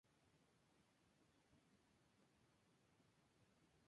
Rara pero regularmente migra hacia Europa Occidental.